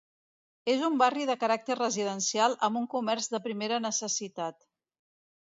És un barri de caràcter residencial amb un comerç de primera necessitat.